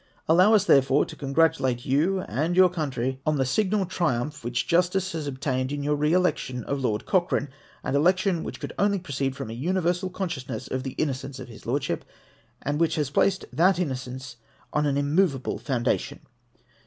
. Allow us, therefore, to congratulate you and our country on the signal triumph which justice has obtained in your re election of Lord Cochrane, — an election which could only proceed from a universal consciousness of the innocence of his Lordship, and which has placed that innocence on an im movable foundation.